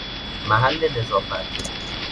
محل نظافت